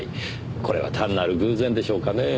これは単なる偶然でしょうかねぇ？